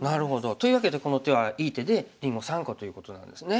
というわけでこの手はいい手でりんご３個ということなんですね。